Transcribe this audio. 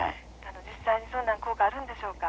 実際にそんな効果あるんでしょうか？